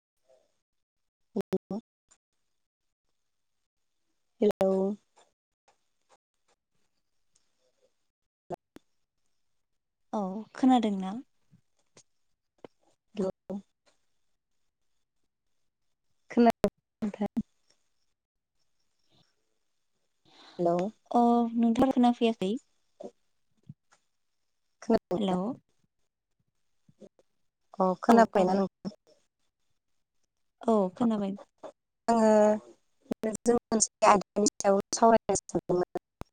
[unintelligible] हेल औ खोनादों ना औ [unintelligible] [unintelligible] [unintelligible] हेल' अ नोंथां खोना फैयाखै [unintelligible] थ [unintelligible] हेल' अ खोनाबाय ना नोंथां औ खोनाबाय आङो जों मोनसे आयदानि सायाव सावरायनो सानदोंमोन [unintelligible]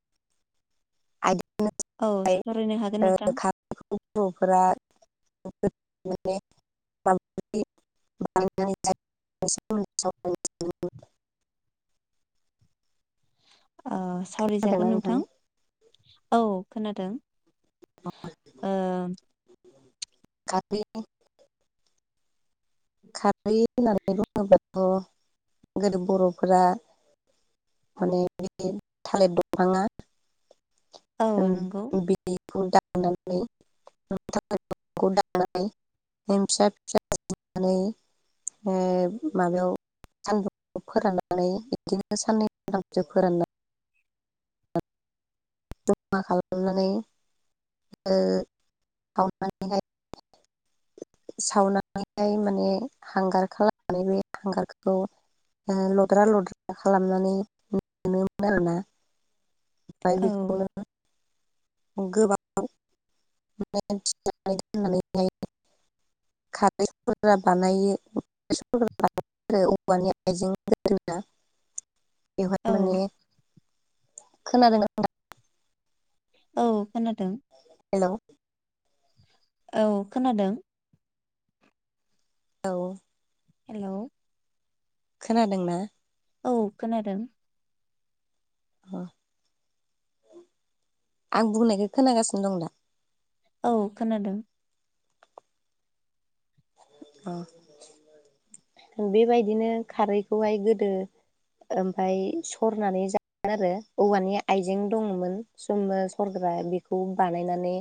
औ दि सावरायनो हागोन नोंथां बर'फोरा [unintelligible] [unintelligible] [unintelligible] ओ सावरायजागोन सावरायनो खोनादोंना नोंथां औ खोनादों ओ खााब [unintelligible] खारै होननानै बुङोबाथ' गोदो बर'फोरा माने बे थालेर दंफाङा औ नंगौ उम बि खौ दाननानै थालिर बिफांखौ दाननानै फिसा फिसा नानै ओ माबायाव सानदुंआव फोराननानै बिदिनो साननै सानथामसो फोरानना जमा खालामनानै ओ सावनानैहाय सावनानैहाय माने हांगार खालामनानै बे हांगारखौ ओ लद्रा लद्रा खालामनानै मोनोमोन आरोना। ओमफ्राय औ बेखौनो गोबां [unintelligible] खारैफोरा बानायो। [unintelligible] औवानि आइजें गोदोना बेवहाय औ। माने खोनादों नोंथां। औ खोनादों। हेल'। औ खोनादों। औ। हेलौ। खोनादोंना? औ खोनादों। अह। आं बुंनायखौ खोनागासिनो दं दा? औ खोनादों। अह बेबायदिनो खारैखौहाय गोदो ओमफाय सरनानै जा आरो औवानि आइजें दङ'मोन समो सरग्रा बेखौ बानायनानै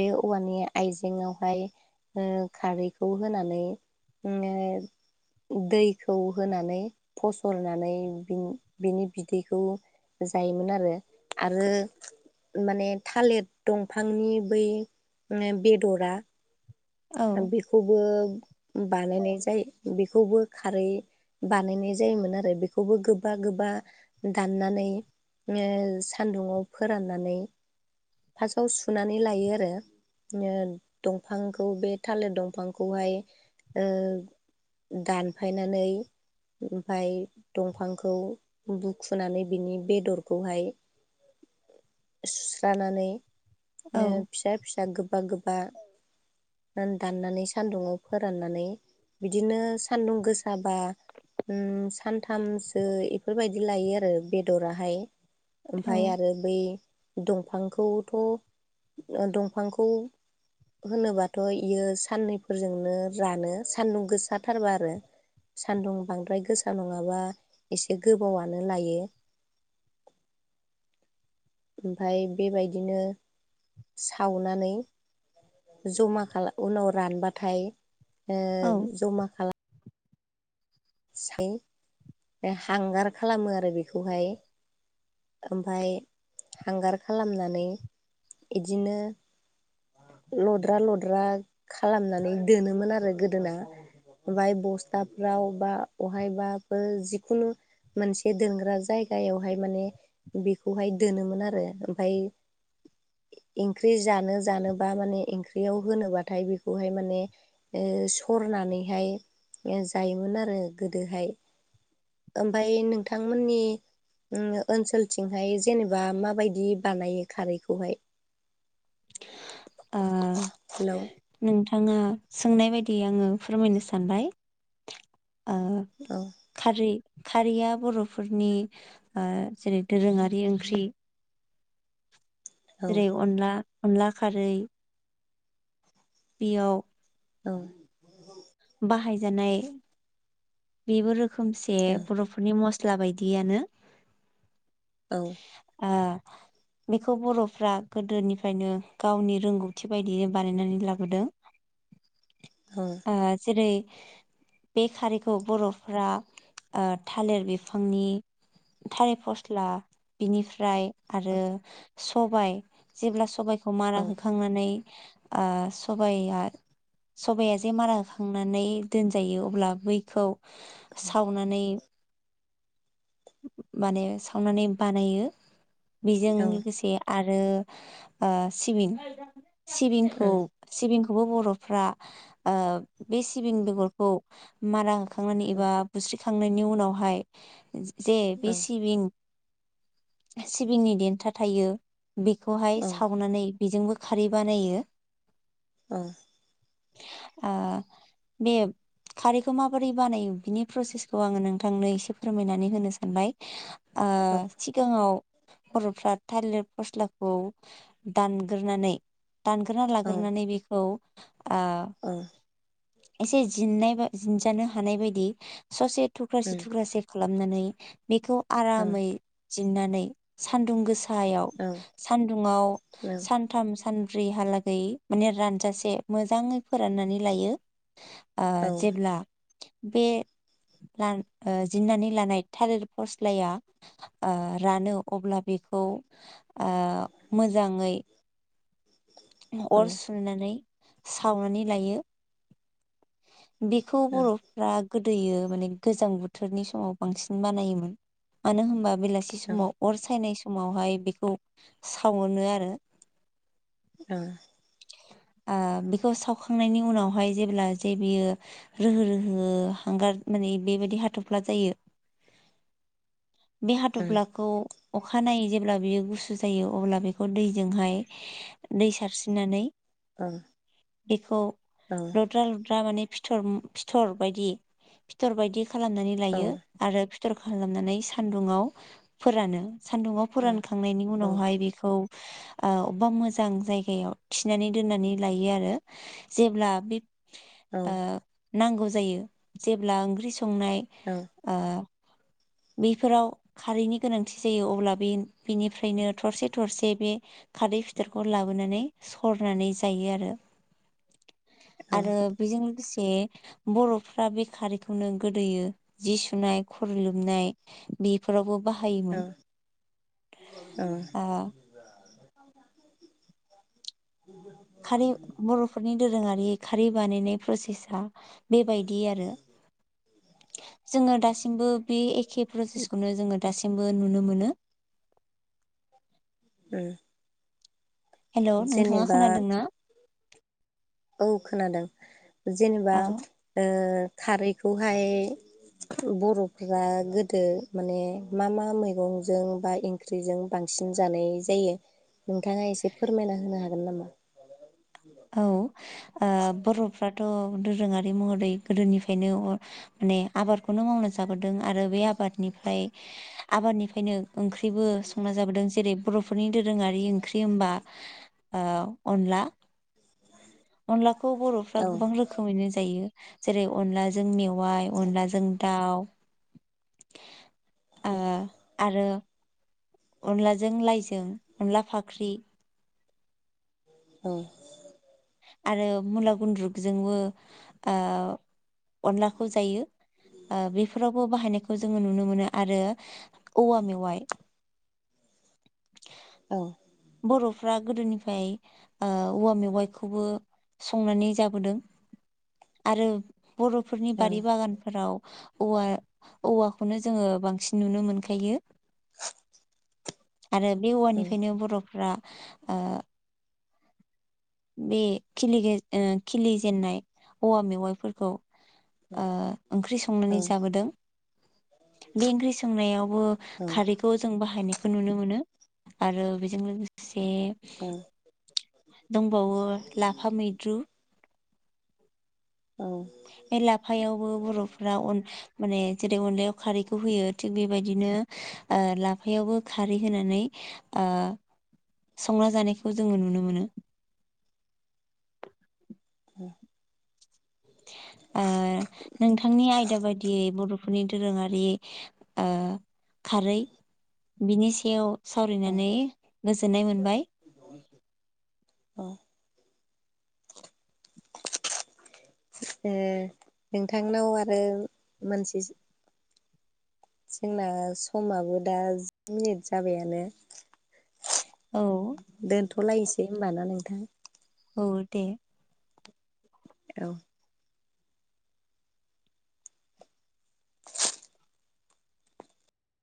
बे औवानि आइजेंआवहाय ओ खारै खौ होनानै उम ओ दैखौ होनानै फसरनानै बिन बिनि बिदैखौ जायोमोन आरो आरो माने थालेत दंफांनि बै बेदरा औ बेखौबो बानायनाय जाय बेखौबो खारै बानायनाय जायोमोन आरो बेखौबो गोबा गोबा दाननानै ओ सान्दुंङाव फोराननानै फासआव सुनानै लायो आरो। ओ दंफांखौ बे थालेत दंफांखौहाय ओ दानफायनानै ओमफाय दंफांखौ बुखुनानै बिनि बेदरखौहाय सुस्रानानै औ नो फिसा फिसा गोबा गोबा दाननानै सान्दुङाव फोराननानै बिदिनो सान्दुं गोसाबा उम सानथामसो इफोरबायदि लायो आरो बेदराहाय ओमफाय औ आरो बे दंफांखौथ' दंफांखौ होनोबाथ' इयो साननैफोरजोंनो रानो सान्दुं गोसाथारबा आरो। सान्दुं बांद्राय गोसा नङाबा एसे गोबावानो लायो। ओमफाय बेबायदिनो सावनानै जमा खाला उनाव रानबाथाय ओ जमा खाला सै। हांगार खालामो आरो बेखौहाय। ओमफाय हांगार खालामनानै इदिनो लद्रा लद्रा खालामनानै दोनोमोन आरो गोदोना। ओमफाय बस्थाफ्राव बा बहायबाबो जिखुनु मोनसे दोनग्रा जायगायावहाय माने बेखौहाय दोनोमोन आरो ओमफाय ओंख्रि जानो जानोबा माने ओंख्रियाव होनोबाथाय बेखौहाय माने ओ सरनानैहाय जायोमोन आरो गोदोहाय। ओमफाय नोंथांमोननि उम ओनसोलथिंहाय जेनेबा माबायदि बानायो खारैखौहाय। आ हेलौ नोंथाङा सोंनाय बायदि आंङो फोरमायनो सानबाय ओ औ। खारै खारैया बर'फोरनि ओ जेरै दोरोङारि ओंख्रि। औ जेरै अनला अनला खारै। बेयाव औ। बाहायजानाय बेबो रोखोमसे औ बर'फोरनि मस्ला बायदियानो। औ। ओ बेखौ बर'फ्रा गोदोनिफ्रायनो गावनि रोंगौथि बायदियै बानायनानै लाबोदों। औ। ओ जेरै बे खारै खौ बर'फ्रा ओ थालिर बिफांनि थालिर फस्ला बिनिफ्राय आरो औ सबाय जेब्ला सबाइखौ मारा औ होखांनानै ओ सबाइया सबाइया जे मारा होखांनानै दोनजायो अब्ला बैखौ सावनानै माने सावनानै बानायो बेजों लोगोसे आरो ओ सिबिन सिबिंखौ सिबिंखौबो बर'फ्रा ओ बे सिबिं बेगरखौ मारा हो खांनानै एबा बुस्रिखांनायनि उनावहाय जे बे सिबिं सिबिंनि देन्था थायो बेखौहाय सावनानै बेजोंबो खारै बानायो। औ। ओ बे खारैखौ माबोरै बानायो बिनि प्रसेसखौ आंङो नोंथांनो एसे फोरमायनानै होनो सानबाय ओ सि गाङाव बर'फ्रा थाइलिर फस्लाखौ दानगोरनानै दानगोरना लाग्रोनानै बेखौ ओ औ। एसे जिननाय बा जिनजानो हानाय बायदि स'से थुख्रासे थुख्रासे खालामनानै बेखौ आरामै जिननानै सान्दुं गो सायाव सान्दुंङाव सान थाम सानब्रैहालागै माने रानजासे मोजाङै फोराननानै लायो। ओ जेब्ला बे लान ओ जिननानै लानाय थालिर फस्लाया ओ रानो अब्ला बेखौ ओ मोजाङै अर सुनानै सावनानै लायो। बिखौ बर' फ्रा गोदोयो माने गोजां बोथोरनि समाव बांसिन बानायोमोन मानो होमबा बेलासि थि समाव अर सायनाय समावहाय बेखौ सावोनो आरो। औ आ बेखौ सावखांनायनि उनावहाय जेब्ला जे बियो रोहो रोहो हांगार माने बेबायदि हाथ'फ्ला जायो। [inaudible] बे हाथफ्लाखौ अखानायै जेब्ला बियो गुसु जायो अब्ला बेखौ दैजोंहाय दै सारस्रिननानै। ओं। इखौ औ। लुद्रा लुद्रा माने फिथर फिथर बायदि फिथर बायदि खालामनानै लायो। आरो फिथर खालामनानै सान्दुंङाव फोरानो। सान्दुंङाव फोरानखांनायनि उनावहाय बेखौ आ अबावबा मो जां जायगायाव थिनानै दोननानै लायो आरो जेब्ला बे ओ नांगौ जायो जेब्ला ओंख्रि संनाय। औ आ बैफोराव खारैनि गोनांथि जायो अब्ला बे बेनिफ्रायनो थरसे थरसे बे खारदै फिथोरखौ लाबोनानै सरनानै जायो आरो। [inaudible] आरो बेजों लोगोसे बर'फ्रा बे खारिखौनो गोदोयो जि सुनाय खार नै बेफोरावबो बाहायोमोन। [unintelligible] खारै बर' फोरनि दोरोङारि खारि बानायनाय प्रसेसा बेबायदि आरो। जोङो दासिमबो बे एखे प्रसेसखौनो जोङो दासिमबो नुनो मोनो। उम। हेल नोंथाङा खोनादों ना? औ खोनादों जेनेबा औ ओ खारैखौहाय बर'फ गोदो माने मा मा मैगंजों बा इ ख्रिजों बांसिन जानाय जायो नोंथाङा एसे फोरमायना होनो हागोन नामा? औ आ बर'फ्राथ' दोरोङारि महरै गोदोनिफ्रायनो अ नेख माने आबादखौनो मावना जाबोदों आरो बे आबादनिफ्राय आबादनिफ्रायनो ओंख्रिबो संना जाबोदों जेरै बर'फोरनि दोरोङारि ओंख्रि होनबा आ अनला अनलाखौ बर'फ्रा औ गोबां रोखोमैनो जायो। जेरै अनलाजों मेव मेवयाय औ अनलाजों दाउ ओ औ आरो अनलाजों लाइजों अनला फाख्रि। औ आरो मुला गुन्द्रुगजोंबो आ अनलाखौ जायो। ओ बेफोरावबो बाहायनायखौ जोङो नुनो मोनो आरो औव मेवाय। ओं। बर'फ्रा गोदोनिफ्राय ओ औवा मेवाइखौबो संनानै जाबोदों आरो बर'फोरनि बारि नोंथांनाव बागानफोराव औवा औवाखौनो जोङो बांसिन नुनो मोनखायो। आरो बे औवानिफ्रायनो बर'फ्रा आ बे खिलिगे ओ खिलिजेननाय औवा मेवाइफोरखौ आ ओंख्रि संनानै जाबोदों। बे ओंख्रि संनायावबो खारै खौ जों बाहायनायखौ नुनो मोनो आरो बेजों लोगोसे दंबावो लाफा मैद्रु औ बे लाफायावबो बर'फ अन माने जेरै अनलायाव खारैखौ होयो थिग बेबायदिनो लाफायावबो खारै होनानै ओ संना जानायखौ जोङो नुनो मोनो [inaudible] ओ नोंथांनि आयदा बायदियै बर' फोरनि दोरोङारि खारै बिनि सायाव सावरायनानै गोजोननाय मोनबाय अ नोंथांनाव आरो मानसि जोंना समाबो दा जि मिनिट जाबायानो औ दोनथ'लायसै होनबा ना नोंथां! औ दे औ